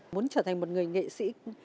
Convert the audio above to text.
muốn trở thành một người nghệ sĩ